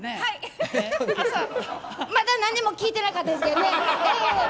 まだ何も聞いてなかったですよね。